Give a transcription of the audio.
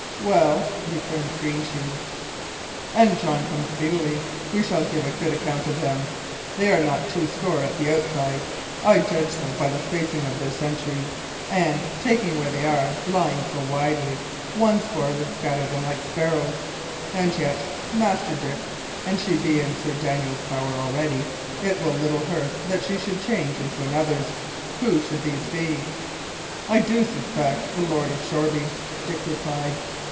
"Well," returned Greensheve, "an John come speedily, we shall give a good account of them. They are not two score at the outside I judge so by the spacing of their sentries and, taken where they are, lying so widely, one score would scatter them like sparrows. And yet, Master Dick, an she be in Sir Daniel's power already, it will little hurt that she should change into another's. Who should these be?" "I do suspect the Lord of Shoreby," Dick replied.